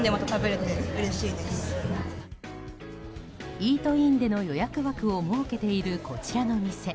イートインの予約枠を設けているこちらの店。